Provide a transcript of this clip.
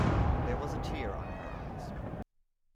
There was a tear on her eyes.